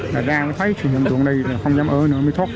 là ra mới thấy thủy điện đài không dám ở nữa mới thoát